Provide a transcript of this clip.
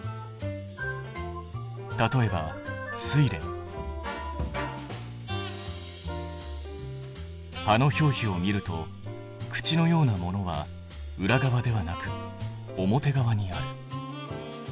例えば葉の表皮を見ると口のようなものは裏側ではなく表側にある。